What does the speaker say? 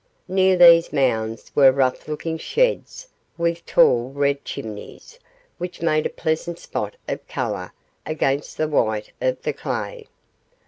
Near these mounds were rough looking sheds with tall red chimneys, which made a pleasant spot of colour against the white of the clay.